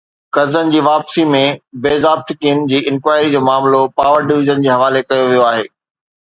قرضن جي واپسي ۾ بي ضابطگين جي انڪوائري جو معاملو پاور ڊويزن جي حوالي ڪيو ويو آهي